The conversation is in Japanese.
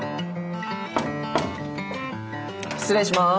失礼します。